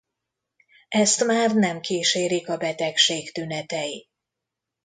Ezt már nem kísérik a betegség tünetei.